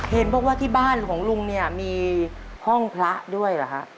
เห็นบ้างว่าที่บ้านของลุงมีห้องพระด้วยหรือครับ